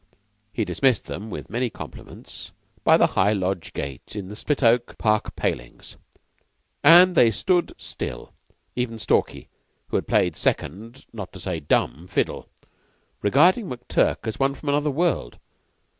He dismissed them with many compliments by the high Lodge gate in the split oak park palings and they stood still; even Stalky, who had played second, not to say a dumb, fiddle, regarding McTurk as one from another world.